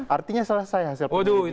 artinya selesai hasil penyelidikan di sana